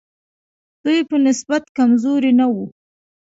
دوی په نسبت کمزوري نه وو.